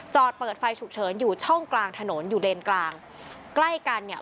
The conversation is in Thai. เปิดไฟฉุกเฉินอยู่ช่องกลางถนนอยู่เลนกลางใกล้กันเนี่ย